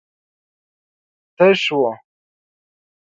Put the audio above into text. تش و.